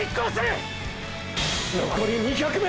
残り２００ｍ！！